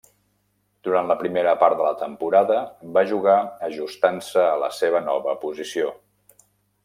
Durant la primera part de la temporada, va jugar ajustant-se a la seva nova posició.